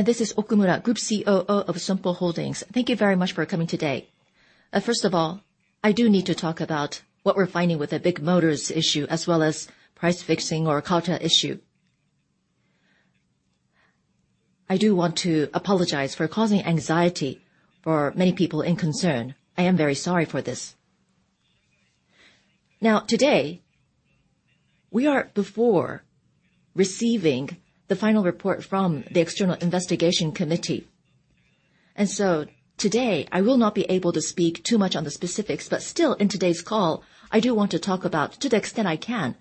This is Okumura, Group COO of Sompo Holdings. Thank you very much for coming today. First of all, I do need to talk about what we're finding with the Bigmotor issue, as well as price fixing or cartel issue. I do want to apologize for causing anxiety for many people in concern. I am very sorry for this. Now, today, we are before receiving the final report from the external investigation committee, and so today, I will not be able to speak too much on the specifics, but still, in today's call, I do want to talk about, to the extent I can,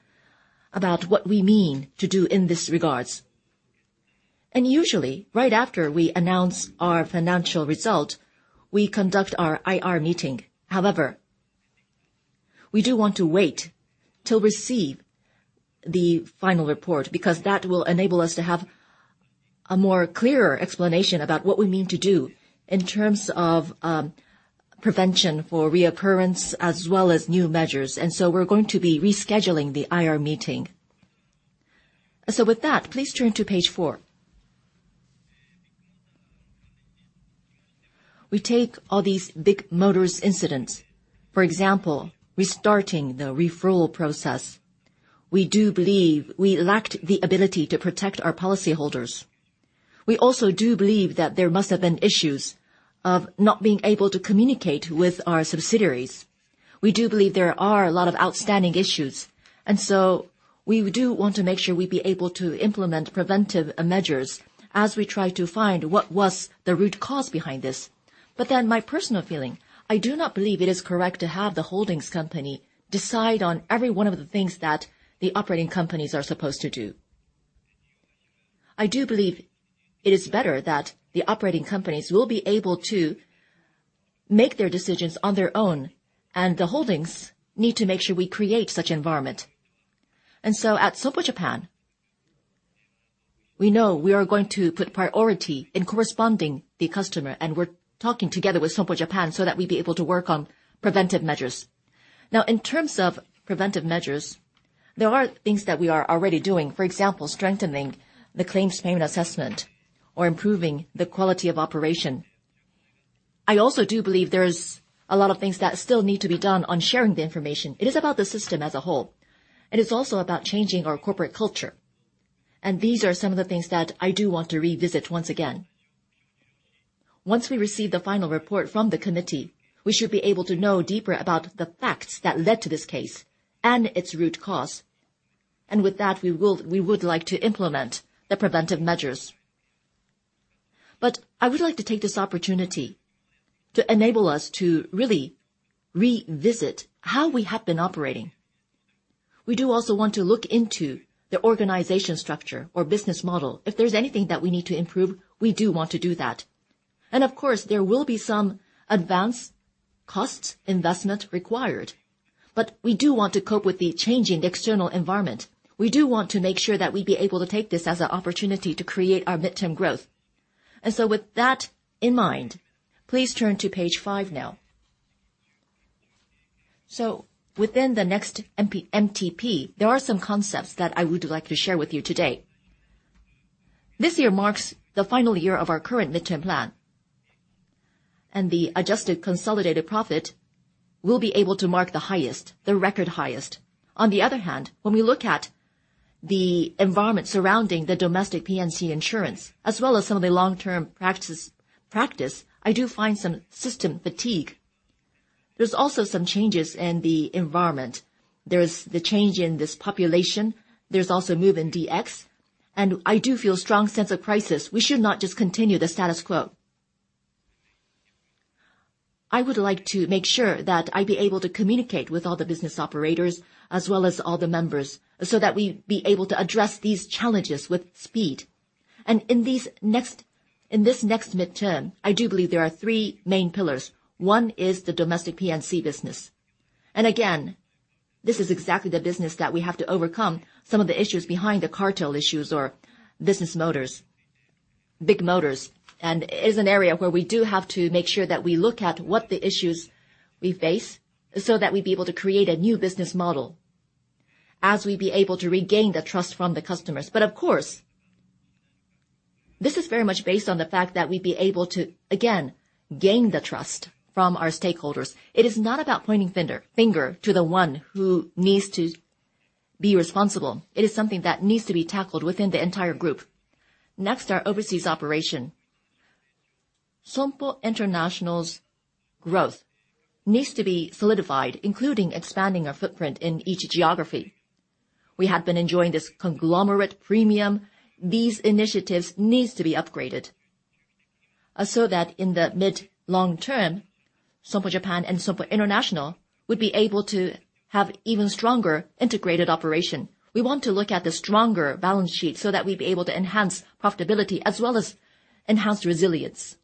about what we mean to do in this regards. And usually, right after we announce our financial result, we conduct our IR meeting. However, we do want to wait to receive the final report, because that will enable us to have a more clearer explanation about what we mean to do in terms of, prevention for reoccurrence as well as new measures, and so we're going to be rescheduling the IR meeting. So with that, please turn to page four. We take all these Bigmotor incidents, for example, restarting the referral process. We do believe we lacked the ability to protect our policyholders. We also do believe that there must have been issues of not being able to communicate with our subsidiaries. We do believe there are a lot of outstanding issues, and so we do want to make sure we be able to implement preventive measures as we try to find what was the root cause behind this. But then my personal feeling, I do not believe it is correct to have the holding company decide on every one of the things that the operating companies are supposed to do. I do believe it is better that the operating companies will be able to make their decisions on their own, and the holdings needs to make sure we create such environment. And so at Sompo Japan, we know we are going to put priority in corresponding the customer, and we're talking together with Sompo Japan so that we be able to work on preventive measures. Now, in terms of preventive measures, there are things that we are already doing. For example, strengthening the claims payment assessment or improving the quality of operation. I also do believe there's a lot of things that still need to be done on sharing the information. It is about the system as a whole, and it's also about changing our corporate culture. These are some of the things that I do want to revisit once again. Once we receive the final report from the committee, we should be able to know deeper about the facts that led to this case and its root cause. With that, we would like to implement the preventive measures. But I would like to take this opportunity to enable us to really revisit how we have been operating. We do also want to look into the organization structure or business model. If there's anything that we need to improve, we do want to do that. Of course, there will be some advanced costs, investment required, but we do want to cope with the changing external environment. We do want to make sure that we be able to take this as an opportunity to create our midterm growth. And so with that in mind, please turn to page 5 now. So within the next MTP, there are some concepts that I would like to share with you today. This year marks the final year of our current midterm plan, and the adjusted consolidated profit will be able to mark the highest, the record highest. On the other hand, when we look at the environment surrounding the domestic P&C insurance, as well as some of the long-term practice, I do find some system fatigue. There's also some changes in the environment. There's the change in this population. There's also move in DX, and I do feel strong sense of crisis. We should not just continue the status quo. I would like to make sure that I be able to communicate with all the business operators as well as all the members, so that we be able to address these challenges with speed. And in this next midterm, I do believe there are three main pillars. One is the domestic P&C business. And again, this is exactly the business that we have to overcome some of the issues behind the cartel issues or Business Motor's, Bigmotor‘s, and is an area where we do have to make sure that we look at what the issues we face, so that we be able to create a new business model as we be able to regain the trust from the customers. But of course, this is very much based on the fact that we be able to, again, gain the trust from our stakeholders. It is not about pointing finger to the one who needs to be responsible. It is something that needs to be tackled within the entire group. Next, our overseas operation. Sompo International's growth needs to be solidified, including expanding our footprint in each geography. We have been enjoying this conglomerate premium. These initiatives needs to be upgraded, so that in the mid long term, Sompo Japan and Sompo International would be able to have even stronger integrated operation. We want to look at the stronger balance sheet so that we be able to enhance profitability as well as enhance resilience.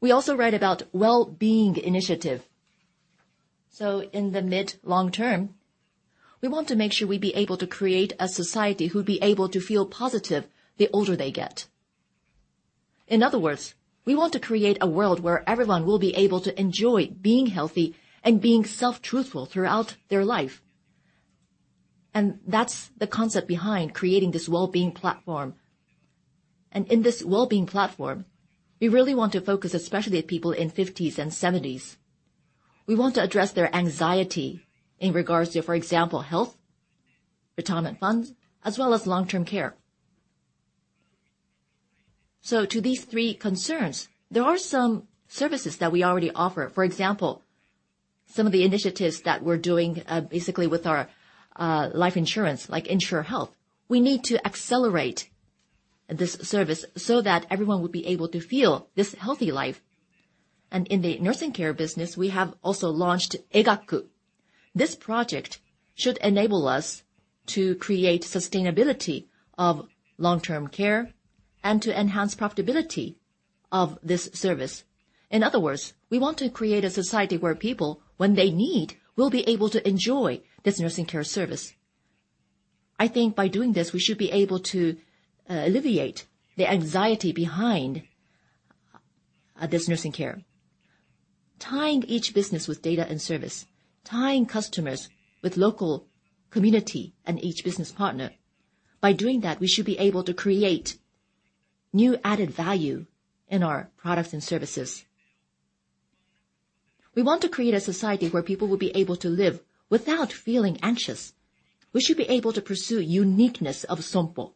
We also read about wellbeing initiative. So in the mid long term, we want to make sure we be able to create a society who be able to feel positive the older they get. In other words, we want to create a world where everyone will be able to enjoy being healthy and being self-truthful throughout their life. That's the concept behind creating this wellbeing platform. In this wellbeing platform, we really want to focus especially at people in 50s and 70s. We want to address their anxiety in regards to, for example, health, retirement funds, as well as long-term care. To these three concerns, there are some services that we already offer. For example, some of the initiatives that we're doing, basically with our life insurance, like Insurhealth. We need to accelerate this service so that everyone will be able to feel this healthy life. In the nursing care business, we have also launched egaku. This project should enable us to create sustainability of long-term care and to enhance profitability of this service. In other words, we want to create a society where people, when they need, will be able to enjoy this nursing care service. I think by doing this, we should be able to alleviate the anxiety behind this nursing care. Tying each business with data and service, tying customers with local community and each business partner, by doing that, we should be able to create new added value in our products and services. We want to create a society where people will be able to live without feeling anxious. We should be able to pursue uniqueness of Sompo.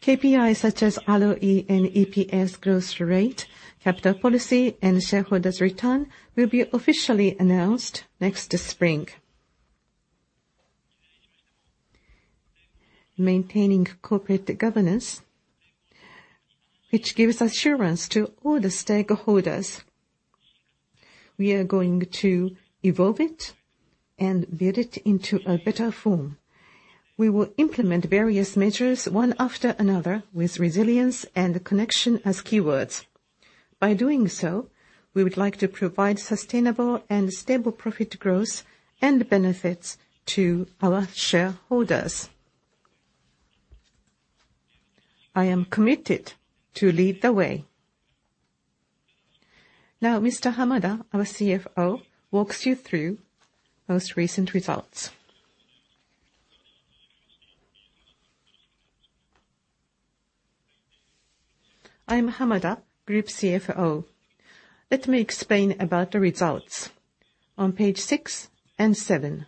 KPI, such as ROE and EPS growth rate, capital policy, and shareholders' return, will be officially announced next spring. Maintaining corporate governance, which gives assurance to all the stakeholders, we are going to evolve it and build it into a better form. We will implement various measures, one after another, with resilience and connection as keywords. By doing so, we would like to provide sustainable and stable profit growth and benefits to our shareholders. I am committed to lead the way. Now, Mr. Hamada, our CFO, walks you through most recent results. I'm Hamada, Group CFO. Let me explain about the results on page 6 and 7.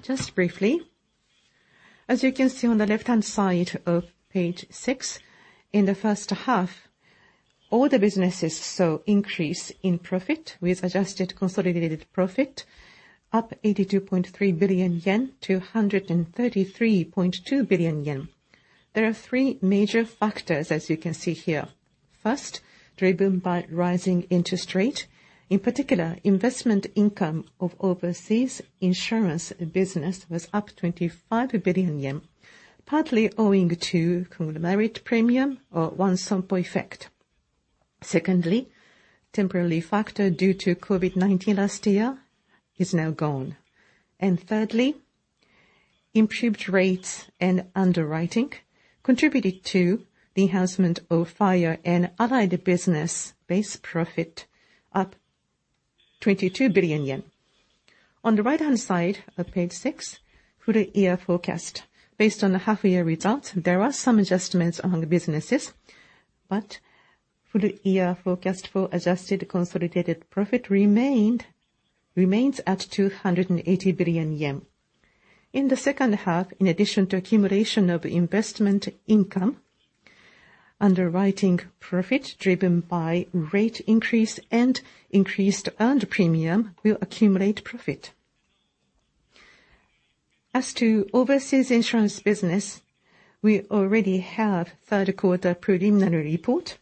Just briefly, as you can see on the left-hand side of page 6, in the first half, all the businesses saw increase in profit, with adjusted consolidated profit up 82.3 billion yen to 133.2 billion yen. There are three major factors, as you can see here. First, driven by rising interest rate. In particular, investment income of overseas insurance business was up 25 billion yen, partly owing to cumulative premium or One Sompo effect. Secondly, temporary factor due to COVID-19 last year is now gone. And thirdly, improved rates and underwriting contributed to the enhancement of fire and allied business base profit, up 22 billion yen. On the right-hand side of page 6, full year forecast. Based on the half-year results, there are some adjustments among the businesses, but full-year forecast for adjusted consolidated profit remains at 280 billion yen. In the second half, in addition to accumulation of investment income, underwriting profit driven by rate increase and increased earned premium will accumulate profit. As to overseas insurance business, we already have third quarter preliminary report.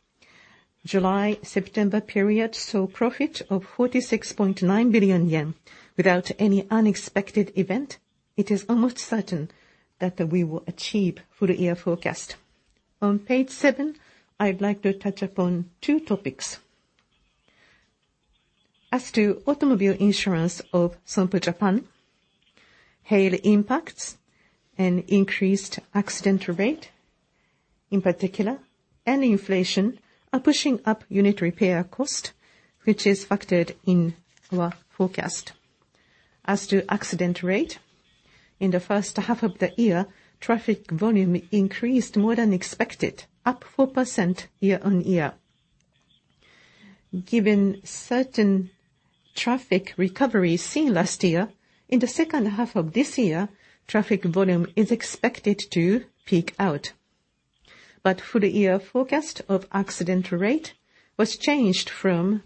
July, September period saw profit of 46.9 billion yen. Without any unexpected event, it is almost certain that we will achieve full-year forecast. On page 7, I'd like to touch upon two topics. As to automobile insurance of Sompo Japan, hail impacts and increased accident rate, in particular, and inflation are pushing up unit repair cost, which is factored in our forecast. As to accident rate, in the first half of the year, traffic volume increased more than expected, up 4% year on year. Given certain traffic recovery seen last year, in the second half of this year, traffic volume is expected to peak out. Full year forecast of accident rate was changed from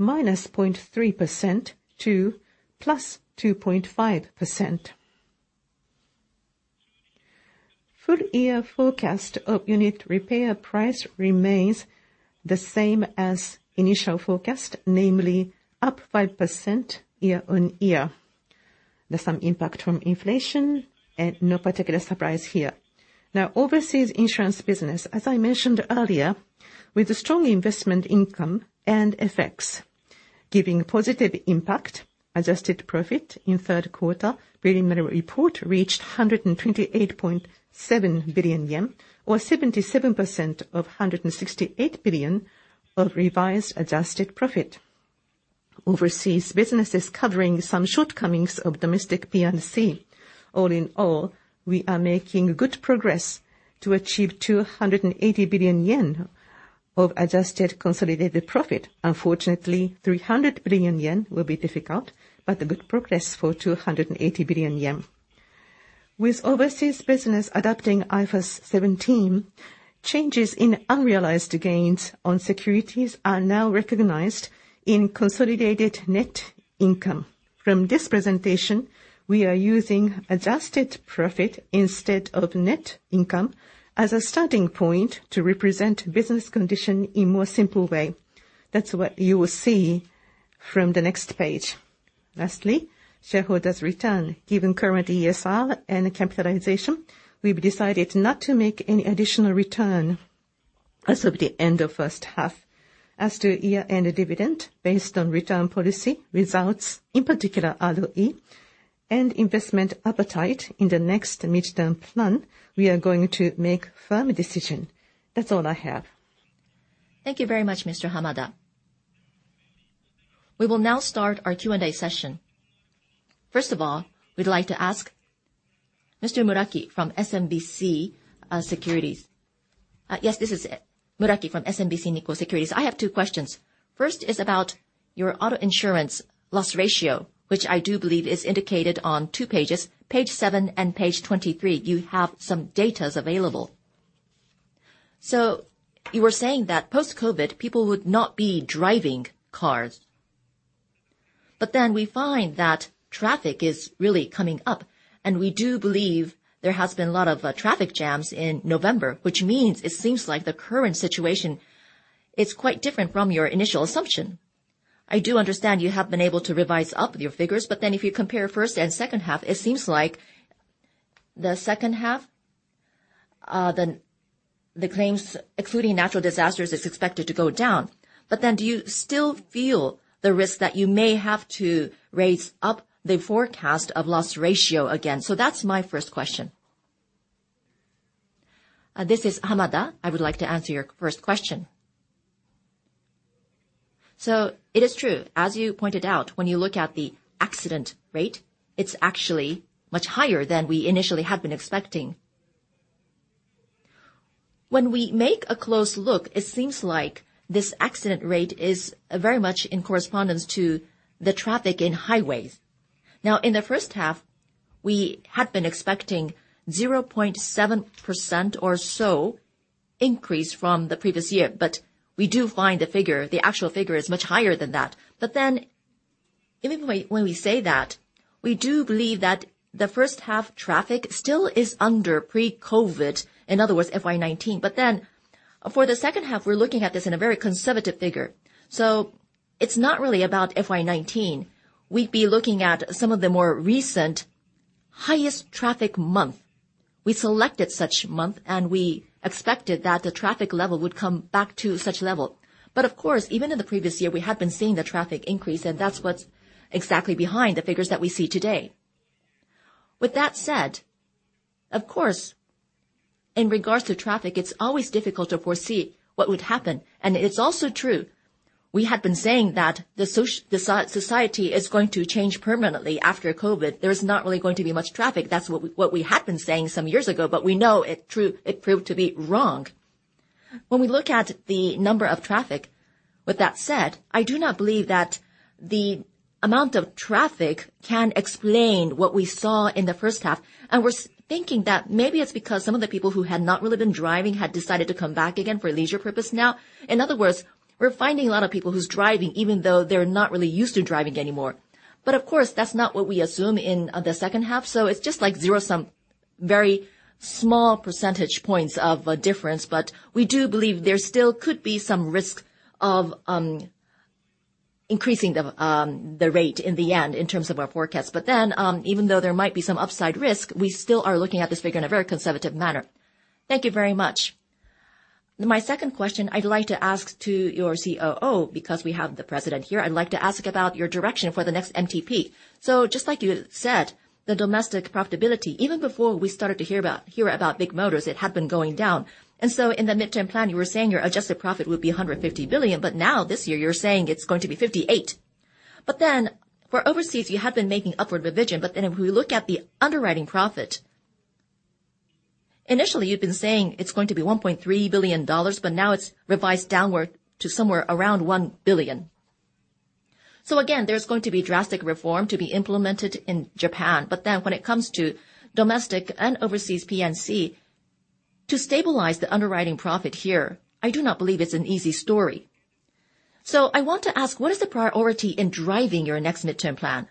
-0.3% to +2.5%. Full year forecast of unit repair price remains the same as initial forecast, namely up 5% year on year. There's some impact from inflation and no particular surprise here. Now, overseas insurance business. As I mentioned earlier, with strong investment income and effects giving positive impact. Adjusted profit in third quarter preliminary report reached 128.7 billion yen, or 77% of 168 billion of revised adjusted profit. Overseas businesses covering some shortcomings of domestic P&C. All in all, we are making good progress to achieve 280 billion yen of adjusted consolidated profit. Unfortunately, 300 billion yen will be difficult, but a good progress for 280 billion yen. With overseas business adopting IFRS 17, changes in unrealized gains on securities are now recognized in consolidated net income. From this presentation, we are using adjusted profit instead of net income as a starting point to represent business condition in more simple way. That's what you will see from the next page. Lastly, shareholders' return. Given current ESR and capitalization, we've decided not to make any additional return as of the end of first half. As to year-end dividend, based on return policy results, in particular, ROE and investment appetite in the next midterm plan, we are going to make firm decision. That's all I have. Thank you very much, Mr. Hamada. We will now start our Q&A session. First of all, we'd like to ask Mr. Muraki from SMBC Nikko Securities. Yes, this is Muraki from SMBC Nikko Securities. I have two questions. First is about your auto insurance loss ratio, which I do believe is indicated on two pages, page 7 and page 23. You have some data available. So you were saying that post-COVID, people would not be driving cars, but then we find that traffic is really coming up, and we do believe there has been a lot of traffic jams in November, which means it seems like the current situation is quite different from your initial assumption. I do understand you have been able to revise up your figures, but then if you compare first and second half, it seems like the second half, the claims, excluding natural disasters, is expected to go down. But then, do you still feel the risk that you may have to raise up the forecast of loss ratio again? So that's my first question. This is Hamada. I would like to answer your first question. So it is true, as you pointed out, when you look at the accident rate, it's actually much higher than we initially had been expecting. When we make a close look, it seems like this accident rate is very much in correspondence to the traffic in highways. Now, in the first half, we had been expecting 0.7% or so increase from the previous year, but we do find the figure, the actual figure is much higher than that. But then, even when, when we say that, we do believe that the first half traffic still is under pre-COVID, in other words, FY 2019. But then, for the second half, we're looking at this in a very conservative figure, so it's not really about FY 2019. We'd be looking at some of the more recent highest traffic month. We selected such month, and we expected that the traffic level would come back to such level. But of course, even in the previous year, we had been seeing the traffic increase, and that's what's exactly behind the figures that we see today. With that said, of course, in regards to traffic, it's always difficult to foresee what would happen. It's also true, we had been saying that the society is going to change permanently after COVID. There's not really going to be much traffic. That's what we, what we had been saying some years ago, but we know it's true. It proved to be wrong. When we look at the number of traffic, with that said, I do not believe that the amount of traffic can explain what we saw in the first half. And we're thinking that maybe it's because some of the people who had not really been driving had decided to come back again for leisure purpose now. In other words, we're finding a lot of people who's driving, even though they're not really used to driving anymore. But of course, that's not what we assume in the second half, so it's just like zero sum, very small percentage points of a difference. But we do believe there still could be some risk of increasing the rate in the end in terms of our forecast. But then, even though there might be some upside risk, we still are looking at this figure in a very conservative manner. Thank you very much.My second question I'd like to ask to your COO, because we have the President here. I'd like to ask about your direction for the next MTP. So just like you said, the domestic profitability, even before we started to hear about Bigmotor, it had been going down. And so in the midterm plan, you were saying your adjusted profit would be 150 billion, but now this year, you're saying it's going to be 58 billion. But then, for overseas, you had been making upward revision, but then if we look at the underwriting profit, initially you've been saying it's going to be $1.3 billion, but now it's revised downward to somewhere around $1 billion. So again, there's going to be drastic reform to be implemented in Japan. But then when it comes to domestic and overseas P&C, to stabilize the underwriting profit here, I do not believe it's an easy story. So I want to ask, what is the priority in driving your next midterm plan?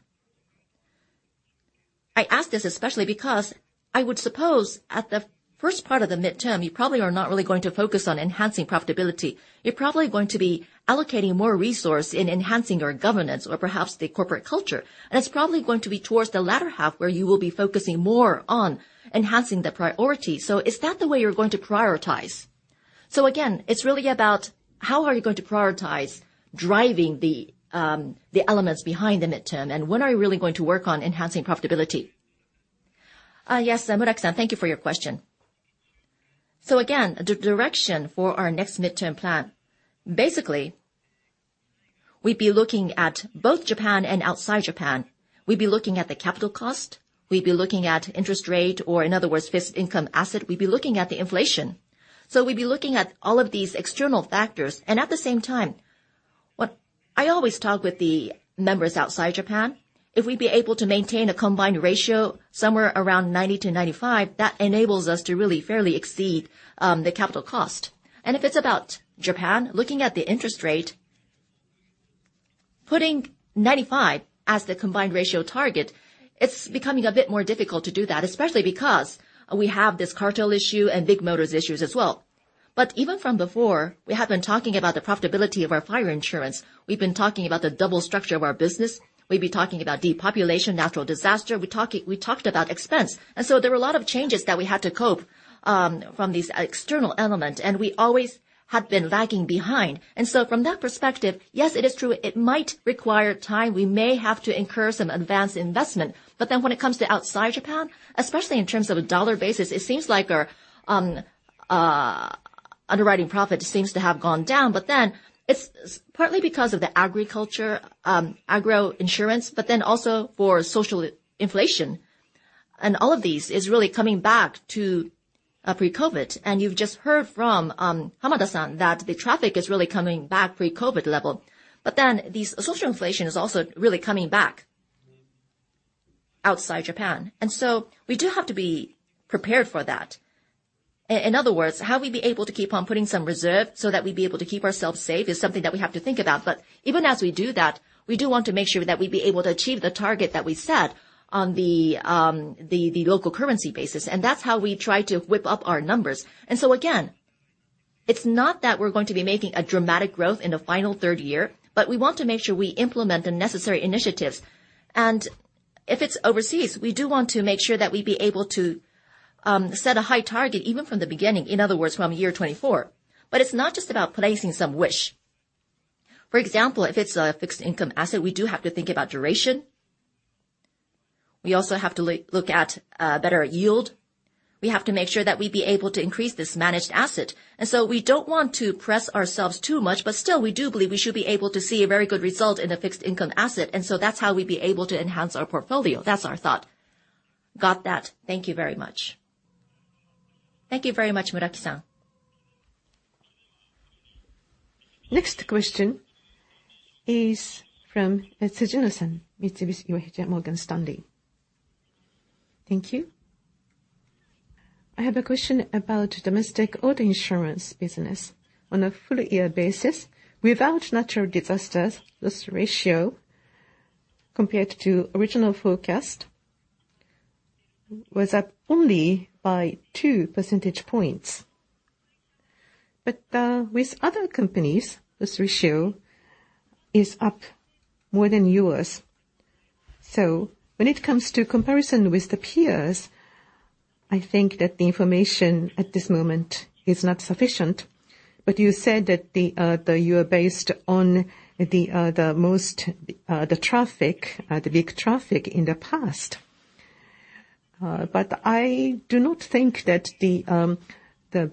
I ask this especially because I would suppose at the first part of the midterm, you probably are not really going to focus on enhancing profitability. You're probably going to be allocating more resource in enhancing your governance or perhaps the corporate culture, and it's probably going to be towards the latter half, where you will be focusing more on enhancing the priority. So is that the way you're going to prioritize? So again, it's really about how are you going to prioritize driving the elements behind the midterm, and when are you really going to work on enhancing profitability? Yes, Muraki, thank you for your question. So again, the direction for our next midterm plan, basically, we'd be looking at both Japan and outside Japan. We'd be looking at the capital cost, we'd be looking at interest rate, or in other words, fixed income asset. We'd be looking at the inflation. So we'd be looking at all of these external factors, and at the same time, what I always talk with the members outside Japan, if we'd be able to maintain a combined ratio somewhere around 90%-95%, that enables us to really fairly exceed the capital cost. If it's about Japan, looking at the interest rate, putting 95% as the combined ratio target, it's becoming a bit more difficult to do that, especially because we have this cartel issue and Bigmotor issues as well. But even from before, we have been talking about the profitability of our fire insurance. We've been talking about the double structure of our business. We've been talking about depopulation, natural disaster. We talked about expense. And so there were a lot of changes that we had to cope from these external element, and we always had been lagging behind. And so from that perspective, yes, it is true, it might require time. We may have to incur some advanced investment. But then when it comes to outside Japan, especially in terms of a dollar basis, it seems like our underwriting profit seems to have gone down, but then it's partly because of the agriculture agro insurance, but then also for social inflation. And all of these is really coming back to pre-COVID. And you've just heard from Hamada-san, that the traffic is really coming back pre-COVID level. But then, this social inflation is also really coming back outside Japan, and so we do have to be prepared for that. In other words, how we be able to keep on putting some reserve so that we be able to keep ourselves safe, is something that we have to think about. But even as we do that, we do want to make sure that we be able to achieve the target that we set on the local currency basis, and that's how we try to whip up our numbers. And so again, it's not that we're going to be making a dramatic growth in the final third year, but we want to make sure we implement the necessary initiatives. And if it's overseas, we do want to make sure that we be able to set a high target, even from the beginning, in other words, from year 2024. But it's not just about placing some wish. For example, if it's a fixed income asset, we do have to think about duration. We also have to look at better yield. We have to make sure that we be able to increase this managed asset. And so we don't want to press ourselves too much, but still, we do believe we should be able to see a very good result in the fixed income asset, and so that's how we'd be able to enhance our portfolio. That's our thought. Got that. Thank you very much. Thank you very much, Muraki-san. Next question is from Tsujino-san, Mitsubishi UFJ Morgan Stanley. Thank you. I have a question about domestic auto insurance business. On a full year basis, without natural disasters, this ratio, compared to original forecast, was up only by two percentage points. But, with other companies, this ratio is up more than yours. So when it comes to comparison with the peers, I think that the information at this moment is not sufficient. But you said that the you are based on the most the traffic the big traffic in the past. But I do not think that the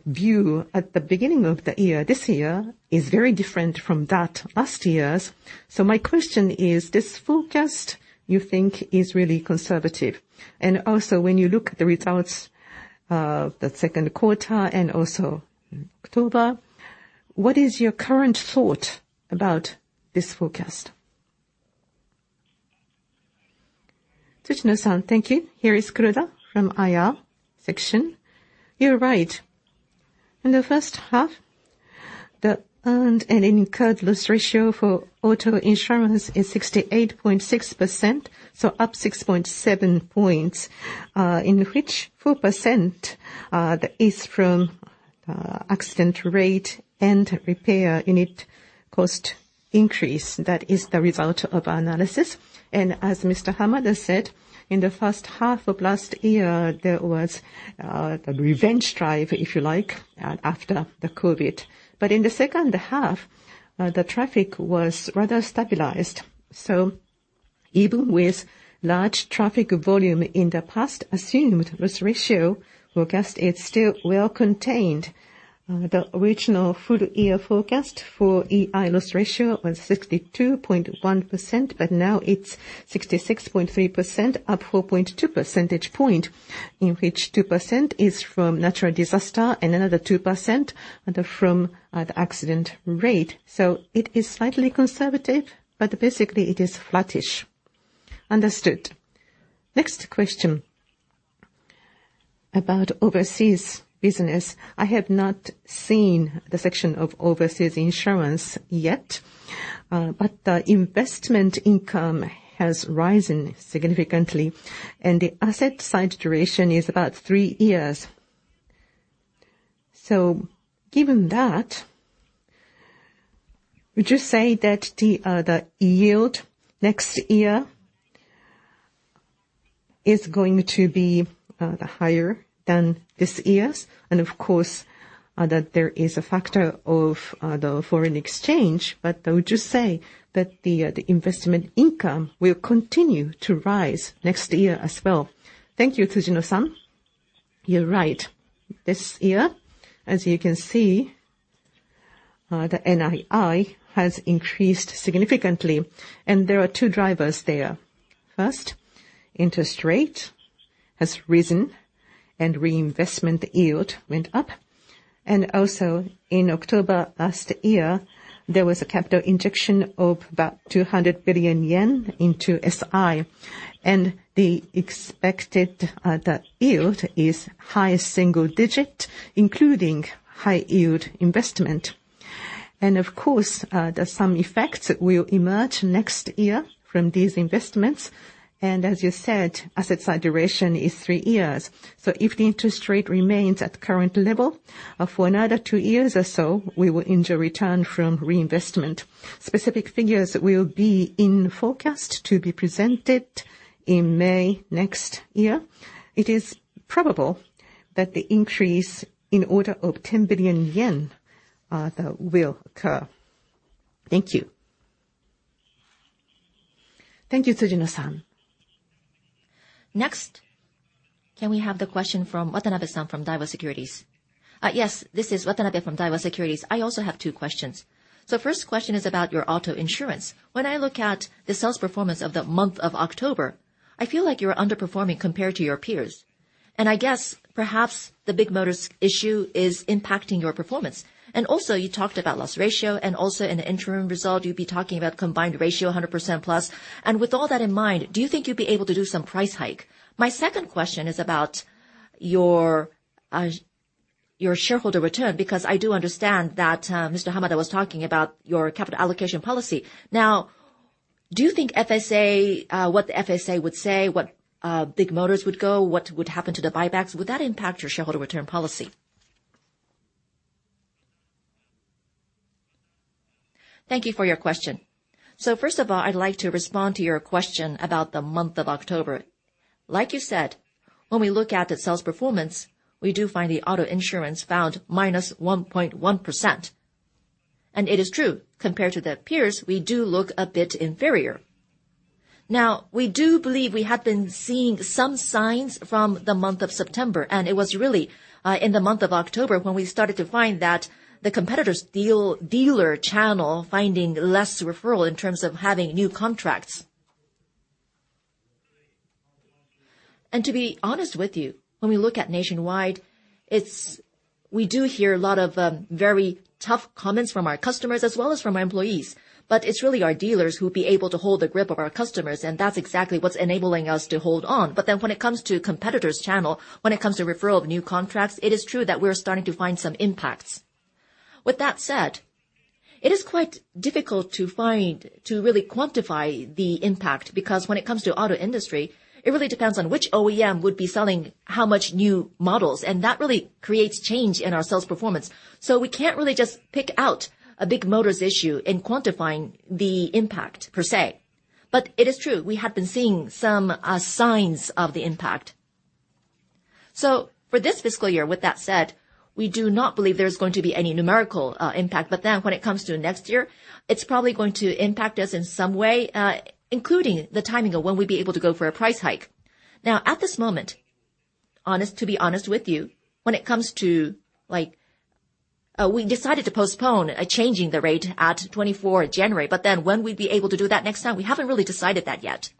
view at the beginning of the year, this year, is very different from that last year's. So my question is, this forecast, you think is really conservative? Also, when you look at the results, the second quarter and also October, what is your current thought about this forecast? Tsujino-san, thank you. Here is Kuroda from IR section. You're right. In the first half, the earned and incurred loss ratio for auto insurance is 68.6%, so up 6.7 points, in which 4%, that is from accident rate and repair unit cost increase. That is the result of our analysis. And as Mr. Hamada said, in the first half of last year, there was the revenge drive, if you like, after the COVID. But in the second half, the traffic was rather stabilized. So even with large traffic volume in the past, assumed loss ratio forecast is still well contained. The original full year forecast for E/I loss ratio was 62.1%, but now it's 66.3%, up 4.2 percentage points, in which 2% is from natural disaster and another 2% are from the accident rate. So it is slightly conservative, but basically, it is flattish. Understood. Next question: About overseas business, I have not seen the section of overseas insurance yet, but the investment income has risen significantly, and the asset side duration is about three years. So given that, would you say that the, the yield next year is going to be higher than this year's, and of course, that there is a factor of the foreign exchange. But I would just say that the investment income will continue to rise next year as well. Thank you, Tsujino-san. You're right. This year, as you can see, the NII has increased significantly, and there are two drivers there. First, interest rate has risen and reinvestment yield went up, and also in October last year, there was a capital injection of about 200 billion yen into SI. And the expected yield is high single digit, including high-yield investment. And of course, there's some effects that will emerge next year from these investments, and as you said, asset-side duration is three years. So if the interest rate remains at current level, for another two years or so, we will enjoy return from reinvestment. Specific figures will be in forecast to be presented in May next year. It is probable that the increase in order of 10 billion yen, that will occur. Thank you. Thank you, Tsujino-san. Next, can we have the question from Watanabe-san from Daiwa Securities? Yes, this is Watanabe from Daiwa Securities. I also have two questions. So first question is about your auto insurance. When I look at the sales performance of the month of October, I feel like you're underperforming compared to your peers. And I guess perhaps the Bigmotor issue is impacting your performance. And also, you talked about loss ratio, and also in the interim result, you'll be talking about combined ratio 100%+. And with all that in mind, do you think you'll be able to do some price hike? My second question is about your, your shareholder return, because I do understand that, Mr. Hamada was talking about your capital allocation policy. Now, do you think FSA, what the FSA would say, what big motors would go, what would happen to the buybacks? Would that impact your shareholder return policy? Thank you for your question. So first of all, I'd like to respond to your question about the month of October. Like you said, when we look at the sales performance, we do find the auto insurance down -1.1%. And it is true, compared to their peers, we do look a bit inferior. Now, we do believe we have been seeing some signs from the month of September, and it was really in the month of October when we started to find that the competitors dealer channel finding less referral in terms of having new contracts. And to be honest with you, when we look at nationwide, it's, we do hear a lot of very tough comments from our customers as well as from our employees, but it's really our dealers who will be able to hold the grip of our customers, and that's exactly what's enabling us to hold on. But then when it comes to competitors' channel, when it comes to referral of new contracts, it is true that we're starting to find some impacts. With that said, it is quite difficult to find, to really quantify the impact, because when it comes to auto industry, it really depends on which OEM would be selling how much new models, and that really creates change in our sales performance. So we can't really just pick out a Bigmotor issue in quantifying the impact per se. But it is true, we have been seeing some signs of the impact. So for this fiscal year, with that said, we do not believe there is going to be any numerical impact. But then when it comes to next year, it's probably going to impact us in some way, including the timing of when we'll be able to go for a price hike. Now, at this moment, to be honest with you, when it comes to like... We decided to postpone changing the rate at 24th January, but then when we'd be able to do that next time, we haven't really decided that yet.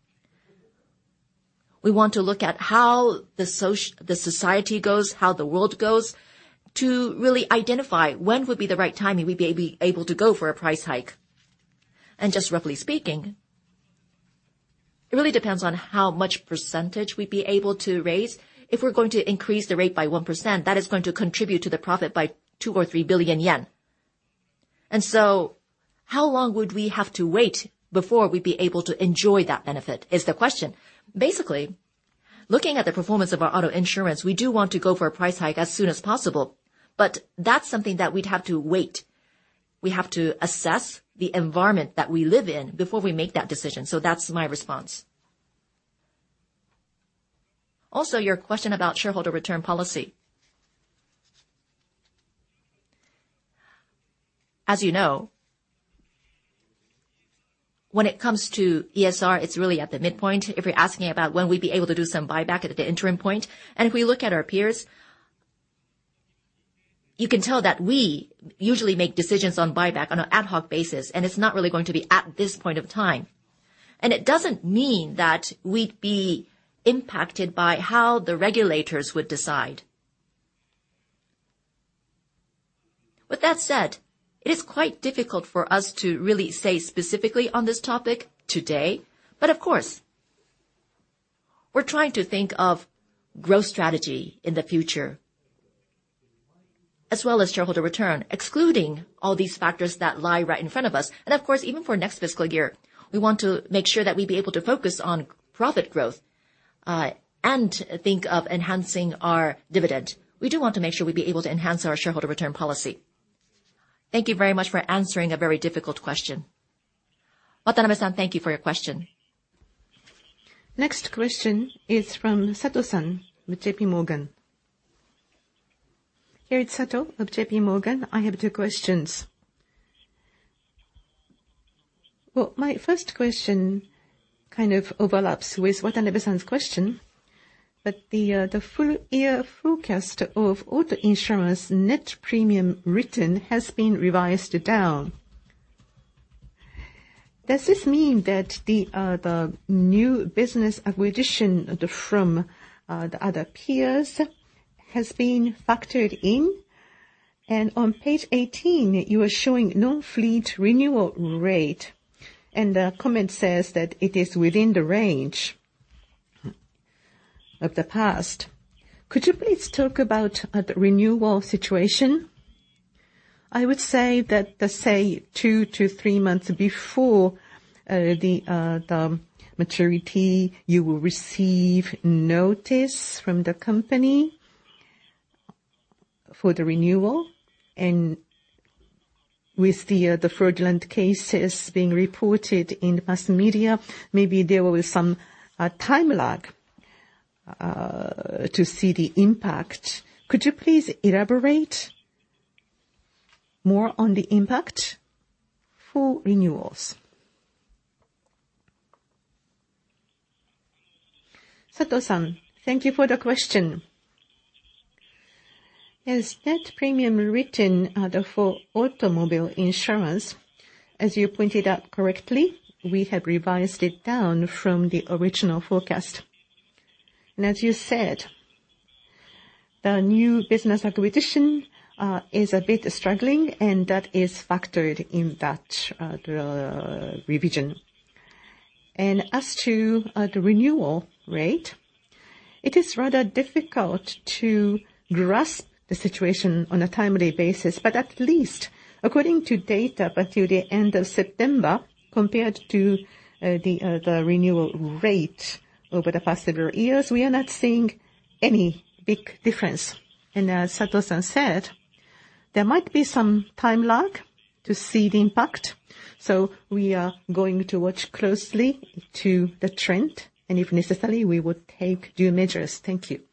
We want to look at how the society goes, how the world goes, to really identify when would be the right time, and we'd be able to go for a price hike. Just roughly speaking, it really depends on how much percentage we'd be able to raise. If we're going to increase the rate by 1%, that is going to contribute to the profit by 2 billion or 3 billion yen. So how long would we have to wait before we'd be able to enjoy that benefit, is the question. Basically, looking at the performance of our auto insurance, we do want to go for a price hike as soon as possible, but that's something that we'd have to wait. We have to assess the environment that we live in before we make that decision. So that's my response. Also, your question about shareholder return policy. As you know, when it comes to ESR, it's really at the midpoint. If you're asking about when we'd be able to do some buyback at the interim point, and if we look at our peers, you can tell that we usually make decisions on buyback on an ad hoc basis, and it's not really going to be at this point of time. And it doesn't mean that we'd be impacted by how the regulators would decide. With that said, it is quite difficult for us to really say specifically on this topic today, but of course, we're trying to think of growth strategy in the future, as well as shareholder return, excluding all these factors that lie right in front of us. And of course, even for next fiscal year, we want to make sure that we'd be able to focus on profit growth, and think of enhancing our dividend. We do want to make sure we'd be able to enhance our shareholder return policy. Thank you very much for answering a very difficult question. Watanabe-san, thank you for your question. Next question is from Sato-san with JPMorgan. Here is Sato of JPMorgan, I have two questions. Well, my first question kind of overlaps with Watanabe-san's question, but the full year forecast of auto insurance net premium written has been revised down. Does this mean that the new business acquisition from the other peers has been factored in? And on page 18, you are showing non-fleet renewal rate, and the comment says that it is within the range of the past. Could you please talk about the renewal situation? I would say that, let's say two to three months before the maturity, you will receive notice from the company for the renewal. With the fraudulent cases being reported in mass media, maybe there will be some time lag to see the impact. Could you please elaborate more on the impact for renewals? Sato-san, thank you for the question. As net premium written for automobile insurance, as you pointed out correctly, we have revised it down from the original forecast. And as you said, the new business acquisition is a bit struggling, and that is factored in that the revision. And as to the renewal rate, it is rather difficult to grasp the situation on a timely basis. But at least according to data through the end of September, compared to the renewal rate over the past several years, we are not seeing any big difference. And as Sato-san said, there might be some time lag to see the impact, so we are going to watch closely to the trend, and if necessary, we would take due measures. Thank you. Thank you.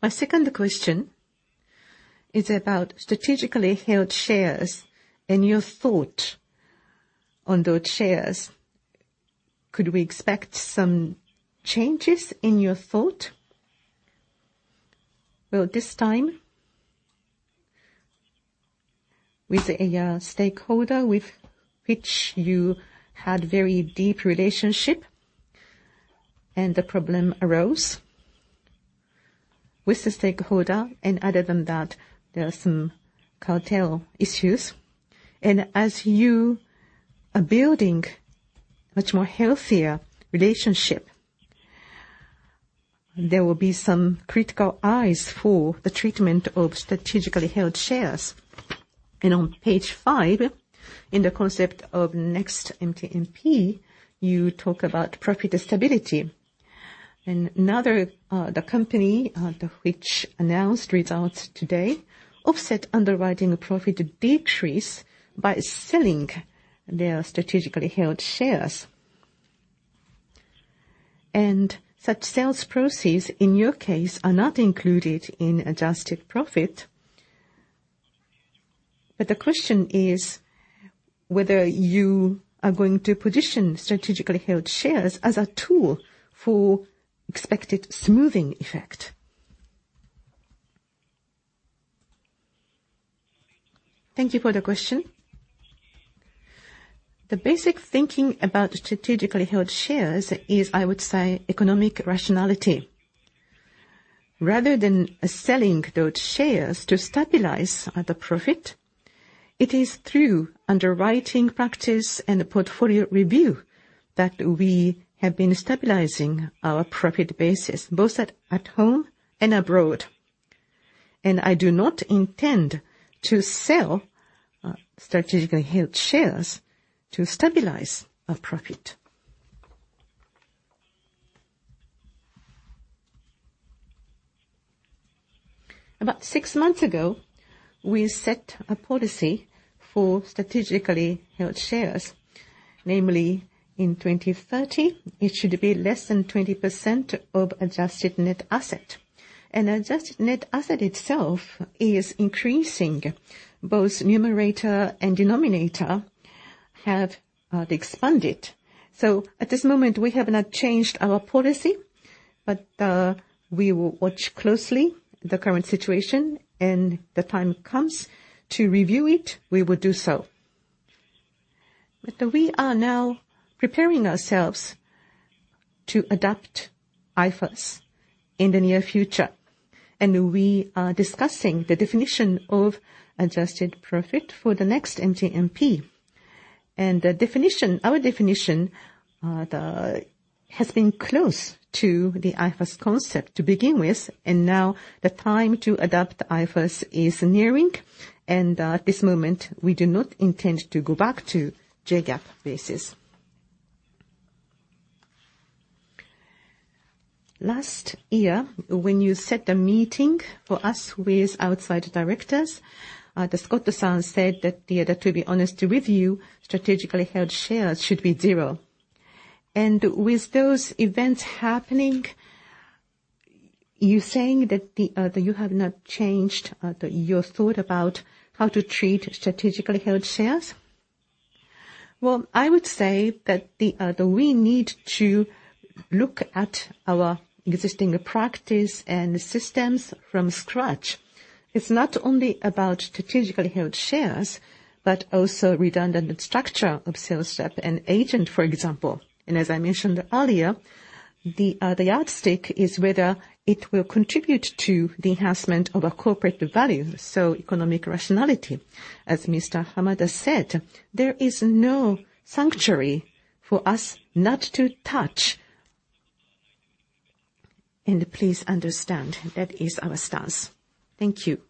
My second question is about strategically held shares and your thought on those shares. Could we expect some changes in your thought? Well, this time, with a stakeholder with which you had very deep relationship, and the problem arose with the stakeholder, and other than that, there are some cartel issues. And as you are building much more healthier relationship, there will be some critical eyes for the treatment of strategically held shares. And on page five, in the concept of next MTMP, you talk about profit stability. And another the company which announced results today, offset underwriting profit decrease by selling their strategically held shares. Such sales proceeds, in your case, are not included in adjusted profit. But the question is whether you are going to position strategically held shares as a tool for expected smoothing effect. Thank you for the question. The basic thinking about strategically held shares is, I would say, economic rationality. Rather than selling those shares to stabilize the profit, it is through underwriting practice and portfolio review that we have been stabilizing our profit basis, both at home and abroad. I do not intend to sell strategically held shares to stabilize our profit. About six months ago, we set a policy for strategically held shares, namely in 2030, it should be less than 20% of adjusted net asset. Adjusted net asset itself is increasing. Both numerator and denominator have expanded. So at this moment, we have not changed our policy, but we will watch closely the current situation, and the time comes to review it, we will do so. But we are now preparing ourselves to adopt IFRS in the near future, and we are discussing the definition of adjusted profit for the next MTMP. And the definition, our definition, has been close to the IFRS concept to begin with, and now the time to adopt IFRS is nearing, and at this moment, we do not intend to go back to GAAP basis. Last year, when you set the meeting for us with outside directors, the Scott-san said that, yeah, that to be honest with you, strategically held shares should be zero. With those events happening, you're saying that you have not changed your thought about how to treat strategically held shares? Well, I would say that we need to look at our existing practice and systems from scratch. It's not only about strategically held shares, but also redundant structure of sales rep and agent, for example. And as I mentioned earlier, the yardstick is whether it will contribute to the enhancement of our corporate value, so economic rationality. As Mr. Hamada said, there is no sanctuary for us not to touch. And please understand, that is our stance. Thank you.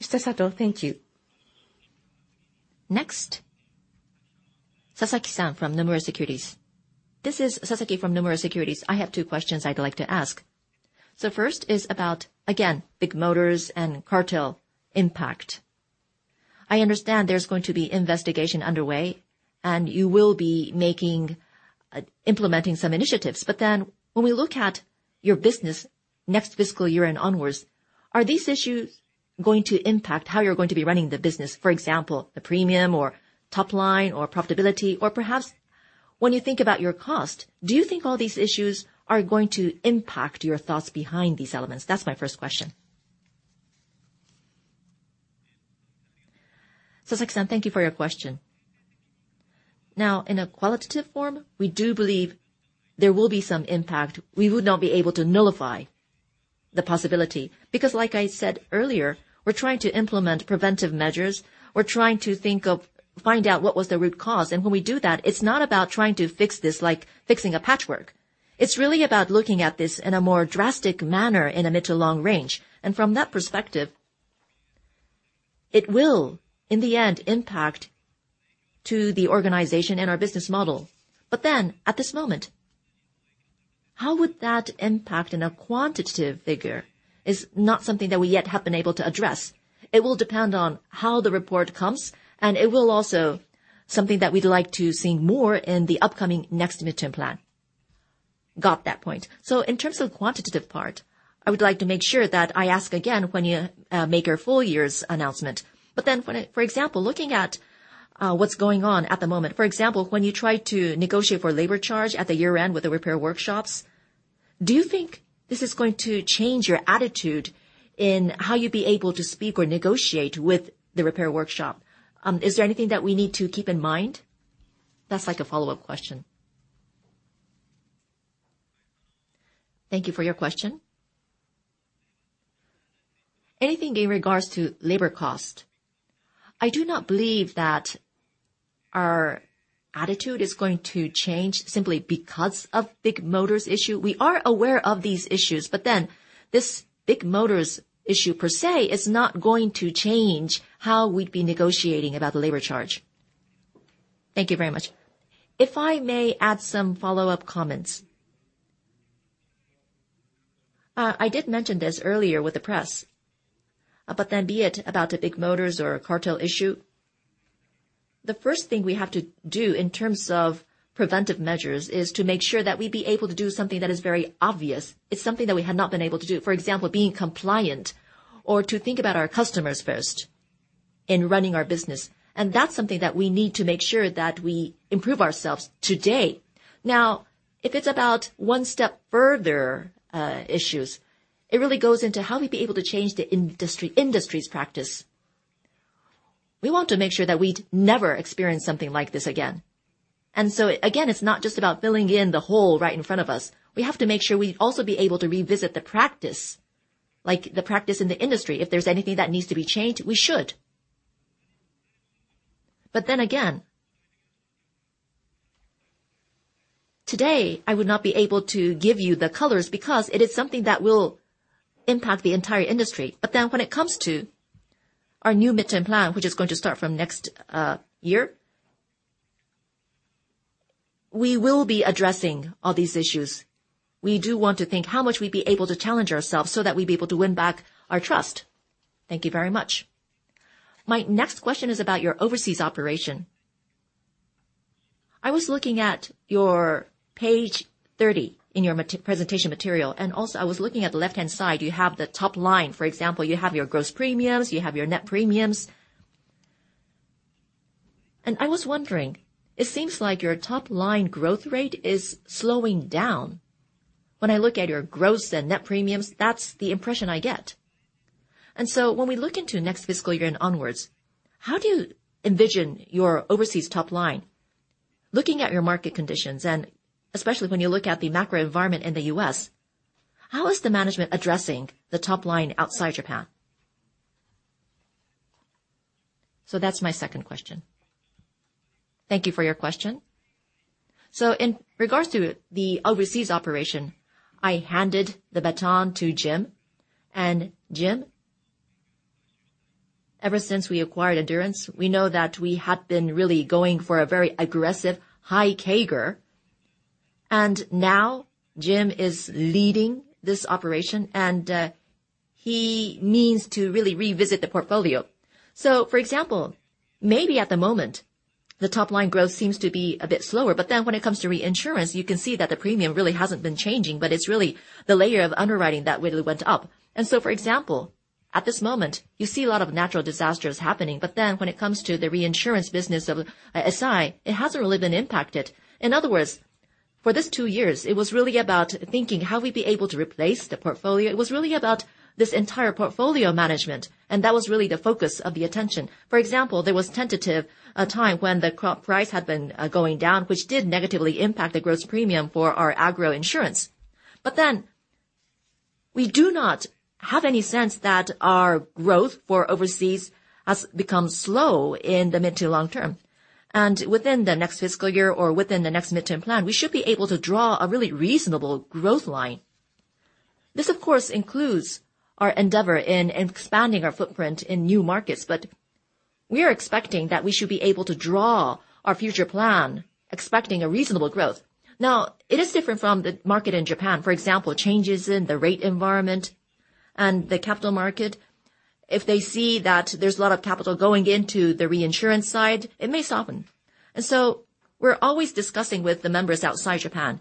Mr. Sato, thank you. Next, Sasaki-san from Nomura Securities. This is Sasaki from Nomura Securities. I have two questions I'd like to ask. So first is about, again, Bigmotor and cartel impact. I understand there's going to be investigation underway, and you will be making, implementing some initiatives. But then when we look at your business next fiscal year and onwards, are these issues going to impact how you're going to be running the business, for example, the premium or top line, or profitability? Or perhaps when you think about your cost, do you think all these issues are going to impact your thoughts behind these elements? That's my first question. Sasaki-san, thank you for your question. Now, in a qualitative form, we do believe there will be some impact. We would not be able to nullify the possibility, because like I said earlier, we're trying to implement preventive measures. We're trying to think of, find out what was the root cause. And when we do that, it's not about trying to fix this like fixing a patchwork. It's really about looking at this in a more drastic manner in a mid-to-long range, and from that perspective, it will, in the end, impact to the organization and our business model. But then, at this moment, how would that impact in a quantitative figure is not something that we yet have been able to address. It will depend on how the report comes, and it will also something that we'd like to see more in the upcoming next midterm plan. Got that point. So in terms of quantitative part, I would like to make sure that I ask again when you make your full year's announcement. But then, for example, looking at what's going on at the moment. For example, when you try to negotiate for labor charge at the year-end with the repair workshops, do you think this is going to change your attitude in how you'd be able to speak or negotiate with the repair workshop? Is there anything that we need to keep in mind? That's like a follow-up question. Thank you for your question. Anything in regards to labor cost, I do not believe that our attitude is going to change simply because of Bigmotor issue. We are aware of these issues, but then this Bigmotor issue, per se, is not going to change how we'd be negotiating about the labor charge. Thank you very much. If I may add some follow-up comments. I did mention this earlier with the press, but then be it about the Bigmotor or cartel issue, the first thing we have to do in terms of preventive measures is to make sure that we'd be able to do something that is very obvious. It's something that we had not been able to do. For example, being compliant or to think about our customers first in running our business, and that's something that we need to make sure that we improve ourselves today. Now, if it's about one step further, issues, it really goes into how we'd be able to change the industry, industry's practice. We want to make sure that we'd never experience something like this again. And so again, it's not just about filling in the hole right in front of us. We have to make sure we'd also be able to revisit the practice, like the practice in the industry. If there's anything that needs to be changed, we should. But then again, today, I would not be able to give you the colors because it is something that will impact the entire industry. But then when it comes to our new midterm plan, which is going to start from next year, we will be addressing all these issues. We do want to think how much we'd be able to challenge ourselves so that we'd be able to win back our trust. Thank you very much. My next question is about your overseas operation. I was looking at your page 30 in your presentation material, and also I was looking at the left-hand side. You have the top line. For example, you have your gross premiums, you have your net premiums. And I was wondering, it seems like your top-line growth rate is slowing down. When I look at your gross and net premiums, that's the impression I get. And so when we look into next fiscal year and onward, how do you envision your overseas top line? Looking at your market conditions, and especially when you look at the macro environment in the U.S., how is the management addressing the top line outside Japan? So that's my second question. Thank you for your question. So in regards to the overseas operation, I handed the baton to Jim, and Jim? Ever since we acquired Endurance, we know that we have been really going for a very aggressive high CAGR. And now Jim is leading this operation, and he means to really revisit the portfolio. So for example, maybe at the moment, the top line growth seems to be a bit slower, but then when it comes to reinsurance, you can see that the premium really hasn't been changing, but it's really the layer of underwriting that really went up. And so, for example, at this moment, you see a lot of natural disasters happening. But then when it comes to the reinsurance business of SI, it hasn't really been impacted. In other words, for this two years, it was really about thinking how we'd be able to replace the portfolio. It was really about this entire portfolio management, and that was really the focus of the attention. For example, there was a time when the crop price had been going down, which did negatively impact the gross premium for our agro insurance. But then we do not have any sense that our growth for overseas has become slow in the mid- to long-term, and within the next fiscal year or within the next midterm plan, we should be able to draw a really reasonable growth line. This, of course, includes our endeavor in expanding our footprint in new markets, but we are expecting that we should be able to draw our future plan, expecting a reasonable growth. Now, it is different from the market in Japan. For example, changes in the rate environment and the capital market. If they see that there's a lot of capital going into the reinsurance side, it may soften. And so we're always discussing with the members outside Japan,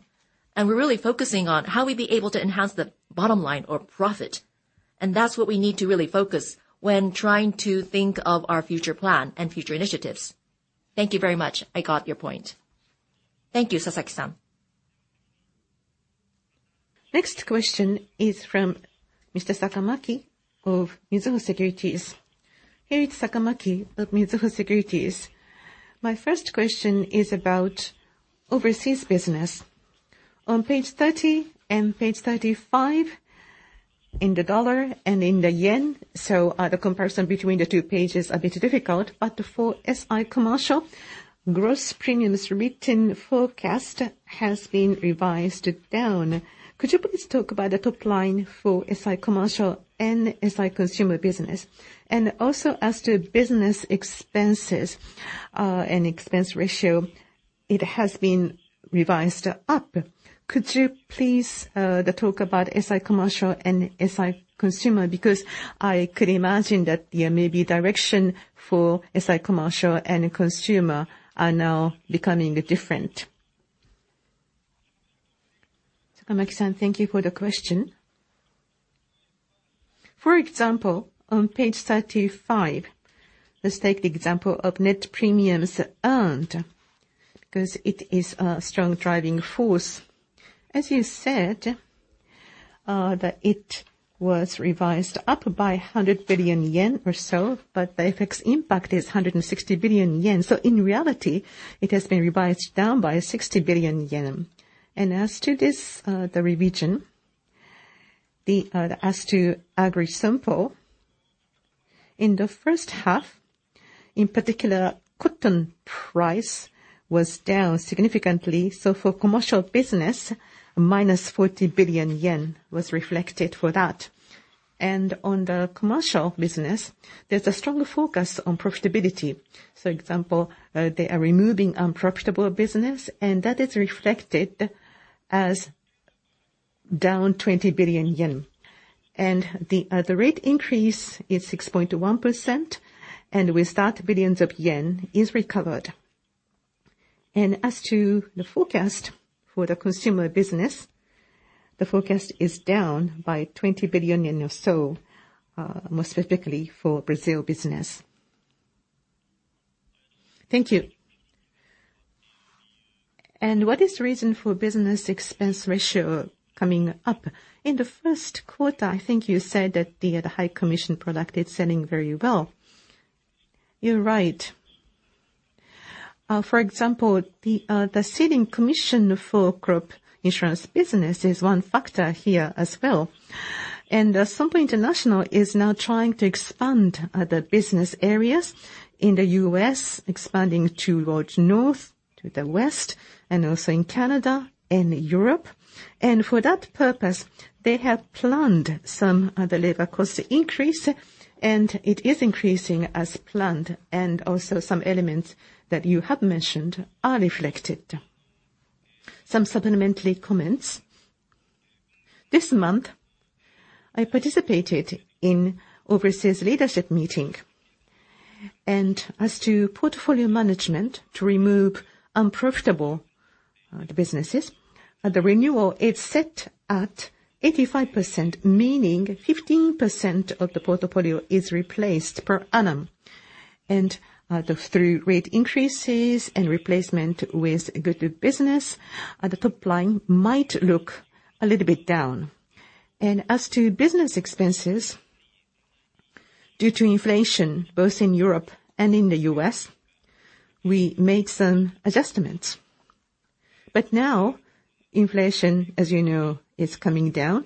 and we're really focusing on how we'd be able to enhance the bottom line or profit, and that's what we need to really focus when trying to think of our future plan and future initiatives. Thank you very much. I got your point. Thank you, Sasaki-san.Next question is from Mr. Sakamaki of Mizuho Securities. Here is Sakamaki of Mizuho Securities. My first question is about overseas business. On page 30 and page 35, in the dollar and in the yen, so, the comparison between the two pages a bit difficult, but for SI commercial, gross premiums written forecast has been revised down. Could you please talk about the top line for SI commercial and SI consumer business? And also, as to business expenses and expense ratio, it has been revised up. Could you please talk about SI commercial and SI consumer? Because I could imagine that there may be direction for SI commercial and consumer are now becoming different. Sakamaki-san, thank you for the question. For example, on page 35, let's take the example of net premiums earned, because it is a strong driving force. As you said, that it was revised up by 100 billion yen or so, but the FX impact is 160 billion yen. So in reality, it has been revised down by 60 billion yen. And as to this, the revision, as to the agri segment, in the first half, in particular, cotton price was down significantly. So for commercial business, -40 billion yen was reflected for that. And on the commercial business, there's a stronger focus on profitability. For example, they are removing unprofitable business, and that is reflected as down 20 billion yen. And the rate increase is 6.1%, and with that billions of yen is recovered. As to the forecast for the consumer business, the forecast is down by 20 billion or so, more specifically for Brazil business. Thank you. What is the reason for business expense ratio coming up? In the first quarter, I think you said that the high commission product is selling very well. You're right. For example, the selling commission for crop insurance business is one factor here as well. Sompo International is now trying to expand the business areas in the U.S., expanding towards north, to the west, and also in Canada and Europe. For that purpose, they have planned some the labor cost increase, and it is increasing as planned, and also some elements that you have mentioned are reflected. Some supplementary comments. This month, I participated in overseas leadership meeting, and as to portfolio management, to remove unprofitable businesses, the renewal is set at 85%, meaning 15% of the portfolio is replaced per annum. Through rate increases and replacement with good business, the top line might look a little bit down. And as to business expenses, due to inflation, both in Europe and in the U.S., we made some adjustments. But now, inflation, as you know, is coming down,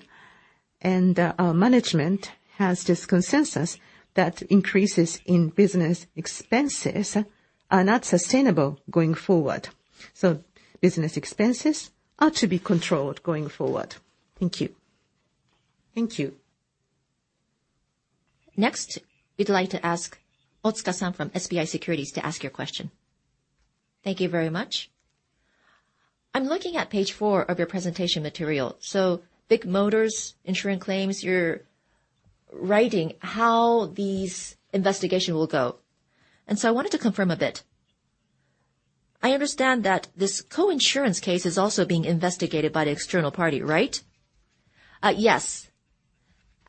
and our management has this consensus that increases in business expenses are not sustainable going forward. So business expenses are to be controlled going forward. Thank you. Thank you. Next, we'd like to ask Otsuka-san from SBI Securities to ask your question. Thank you very much. I'm looking at page four of your presentation material. So Bigmotor’s insurance claims, you're writing how this investigation will go, and so I wanted to confirm a bit. I understand that this co-insurance case is also being investigated by the external party, right? Yes.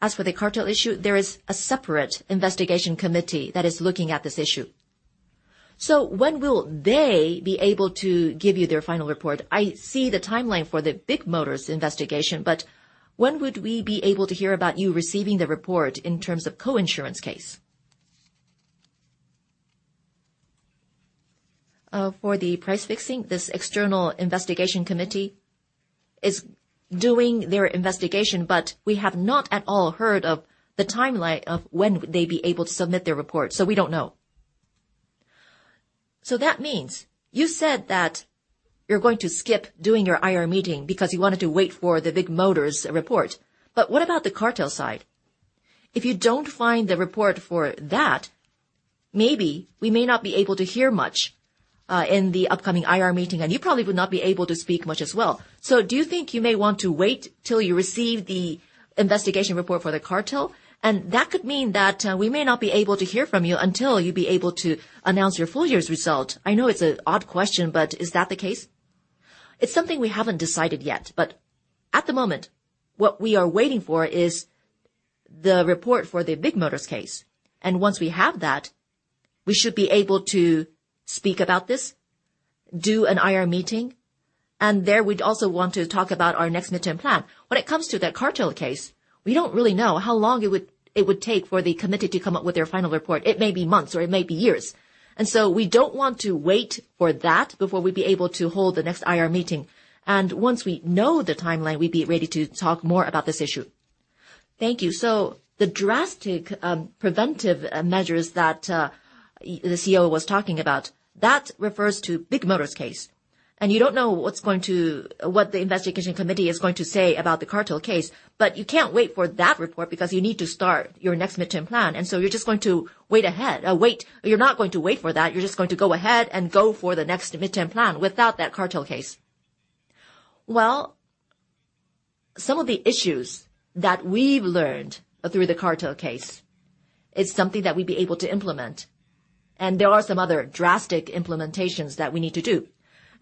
As for the cartel issue, there is a separate investigation committee that is looking at this issue. So when will they be able to give you their final report? I see the timeline for the Bigmotor investigation, but when would we be able to hear about you receiving the report in terms of co-insurance case? For the price fixing, this external investigation committee is doing their investigation, but we have not at all heard of the timeline of when they'd be able to submit their report, so we don't know. So that means you said that you're going to skip doing your IR meeting because you wanted to wait for the Bigmotor report. But what about the cartel side? If you don't find the report for that, maybe we may not be able to hear much in the upcoming IR meeting, and you probably would not be able to speak much as well. So do you think you may want to wait till you receive the investigation report for the cartel? And that could mean that we may not be able to hear from you until you'll be able to announce your full year's result. I know it's an odd question, but is that the case? It's something we haven't decided yet, but at the moment, what we are waiting for is the report for the Bigmotor case. Once we have that, we should be able to speak about this, do an IR meeting, and there we'd also want to talk about our next midterm plan. When it comes to the cartel case, we don't really know how long it would take for the committee to come up with their final report. It may be months or it may be years, so we don't want to wait for that before we'd be able to hold the next IR meeting. Once we know the timeline, we'd be ready to talk more about this issue. Thank you. So the drastic preventive measures that the CEO was talking about, that refers to Bigmotor case, and you don't know what the investigation committee is going to say about the cartel case. But you can't wait for that report because you need to start your next mid-term plan, and so you're just going to go ahead. You're not going to wait for that, you're just going to go ahead and go for the next mid-term plan without that cartel case. Well, some of the issues that we've learned through the cartel case is something that we'd be able to implement, and there are some other drastic implementations that we need to do.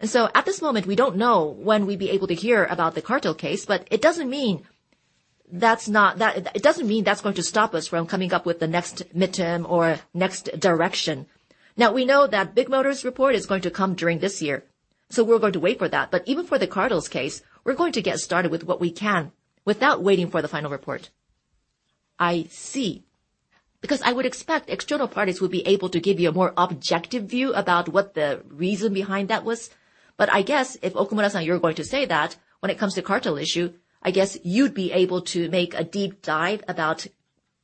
So at this moment, we don't know when we'd be able to hear about the cartel case, but it doesn't mean that's going to stop us from coming up with the next midterm or next direction. Now, we know that Bigmotor‘s report is going to come during this year, so we're going to wait for that. But even for the cartels case, we're going to get started with what we can without waiting for the final report. I see. Because I would expect external parties would be able to give you a more objective view about what the reason behind that was. But I guess if, Okumura-san, you're going to say that when it comes to cartel issue, I guess you'd be able to make a deep dive about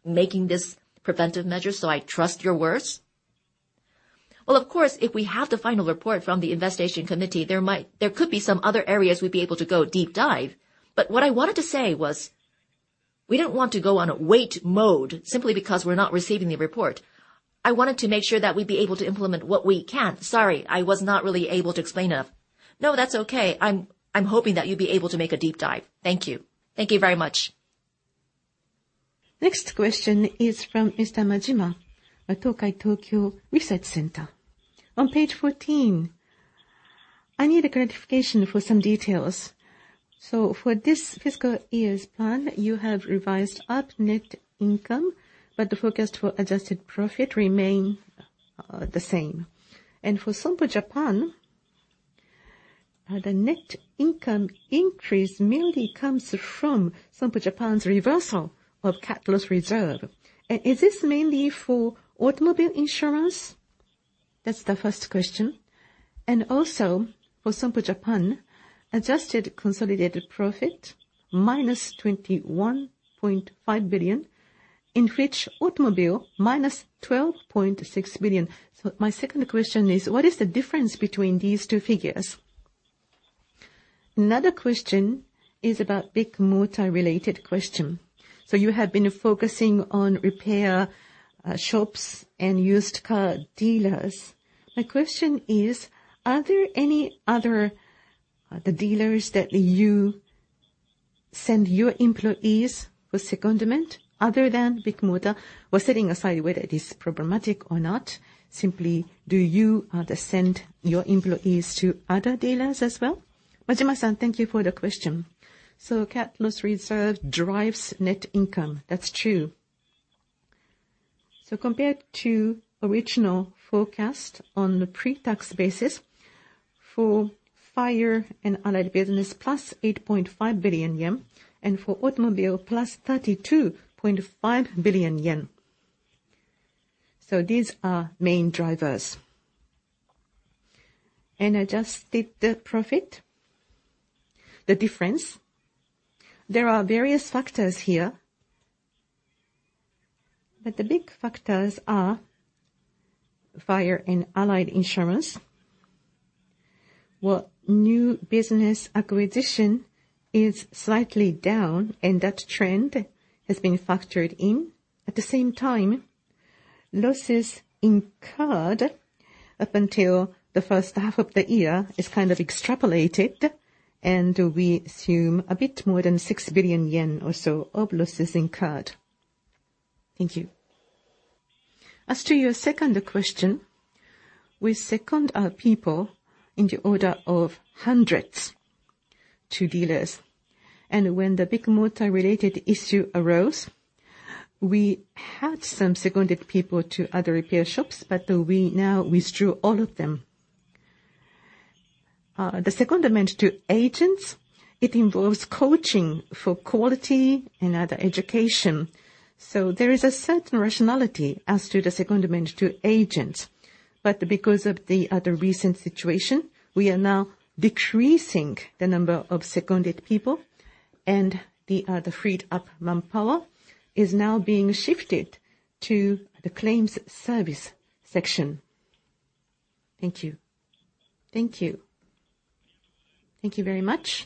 making this preventive measure, so I trust your words. Well, of course, if we have the final report from the investigation committee, there might, there could be some other areas we'd be able to go deep dive. But what I wanted to say was, we don't want to go on a wait mode simply because we're not receiving the report. I wanted to make sure that we'd be able to implement what we can. Sorry, I was not really able to explain enough. No, that's okay. I'm hoping that you'll be able to make a deep dive. Thank you. Thank you very much. Next question is from Mr. Majima at Tokai Tokyo Research Center. On page 14, I need a clarification for some details. So for this fiscal year's plan, you have revised up net income, but the forecast for adjusted profit remains the same. And for Sompo Japan, the net income increase mainly comes from Sompo Japan's reversal of cat loss reserve. And is this mainly for automobile insurance? That's the first question. And also, for Sompo Japan, adjusted consolid profit, -21.5 billion, in which automobile, -12.6 billion. So my second question is: What is the difference between these two figures? Another question is about Bigmotor-related question. So you have been focusing on repair shops and used car dealers. My question is: Are there any other dealers that you send your employees for secondment other than Bigmotor? Well, setting aside whether it is problematic or not, simply, do you send your employees to other dealers as well? Majima-san, thank you for the question. So cat loss reserve drives net income. That's true. So compared to original forecast on the pre-tax basis, for fire and allied business, +8.5 billion yen, and for automobile, +32.5 billion yen. So these are main drivers. And adjusted the profit, the difference, there are various factors here, but the big factors are fire and allied insurance, where new business acquisition is slightly down, and that trend has been factored in. At the same time, losses incurred up until the first half of the year is kind of extrapolated, and we assume a bit more than 6 billion yen or so of losses incurred. Thank you. As to your second question, we second our people in the order of hundreds to dealers, and when the Bigmotor related issue arose, we had some seconded people to other repair shops, but we now withdrew all of them. The secondment to agents, it involves coaching for quality and other education, so there is a certain rationality as to the secondment to agents. But because of the recent situation, we are now decreasing the number of seconded people, and the freed-up manpower is now being shifted to the claims service section. Thank you. Thank you. Thank you very much.